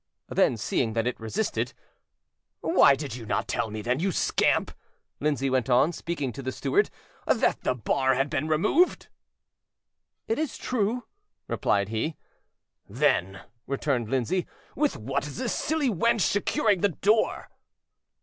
Then, seeing that it resisted, "Why did you tell me, then, you scamp," Lindsay went on, speaking to the steward, "that the bar had been removed? "It is true," replied he. "Then," returned Lindsay, "with what is this silly wench securing the door?"